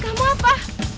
kau mau apa